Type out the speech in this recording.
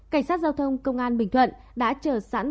cảnh sát giao thông công an bình thuận đã chờ sẵn